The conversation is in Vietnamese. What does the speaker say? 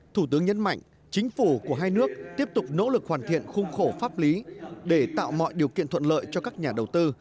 thủ tướng nhấn mạnh chính phủ của hai nước tiếp tục nỗ lực hoàn thiện khung khổ pháp lý để tạo mọi điều kiện thuận lợi cho các nhà đầu tư